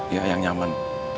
ya yang nyaman